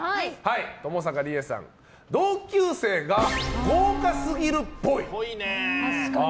ともさかりえさん同級生が豪華すぎるっぽい。